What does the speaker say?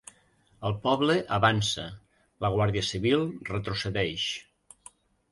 El poble avança, la guàrdia civil retrocedeix.